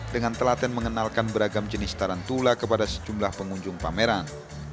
dengan telaten mengenalkan beragam jenis tarantula kepada sejumlah pengunjung pameran